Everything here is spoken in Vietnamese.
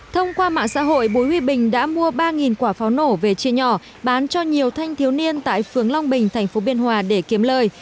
thông qua mạng xã hội búi huy bình đã mua ba quả pháo nổ về chia nhỏ bán cho nhiều thanh thiếu niên tại phướng long bình tp hcm để kiếm lời